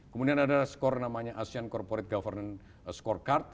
kemudian ada skor namanya asian corporate governance scorecard